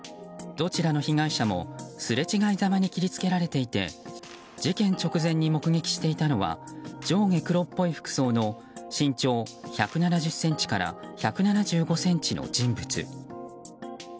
どちらの被害者もすれ違いざまに切り付けられていて事件直前に目撃していたのは上下黒っぽい服装の身長１７０ｃｍから１７５ｃｍの人物。